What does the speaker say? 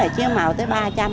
chiếu màu tới ba trăm linh